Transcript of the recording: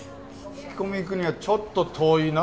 聞き込み行くにはちょっと遠いな。